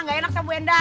nggak enak sih bu endang